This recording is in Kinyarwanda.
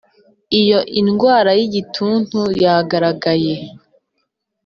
Iyo indwara y igituntu yagaragaye